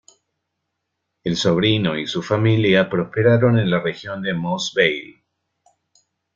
El sobrino y su familia prosperaron en la región de Moss Vale.